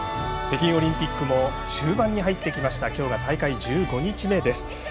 北京オリンピックも終盤に入ってきました今日が大会１５日目です。